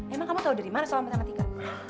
emang kamu tahu dari mana soal matematika